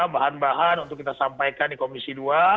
bahan bahan untuk kita sampaikan di komisi dua